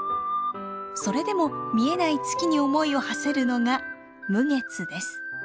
それでも見えない月に思いをはせるのが無月です。